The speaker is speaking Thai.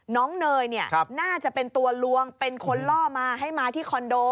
เนยน่าจะเป็นตัวลวงเป็นคนล่อมาให้มาที่คอนโด